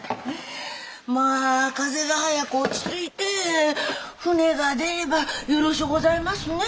まあ風が早く落ち着いて船が出ればよろしゅうございますね。